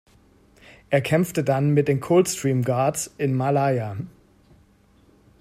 Er kämpfte dann mit den Coldstream Guards in Malaya.